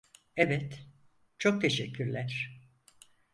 Evet, çok teşekkürler.